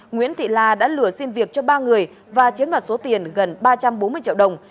nguyễn thị la đã lừa xin việc cho ba người và chiếm đoạt số tiền gần ba trăm bốn mươi triệu đồng